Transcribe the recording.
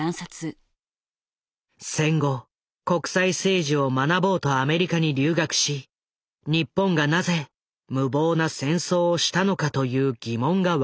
戦後国際政治を学ぼうとアメリカに留学し日本がなぜ無謀な戦争をしたのかという疑問が湧き上がった。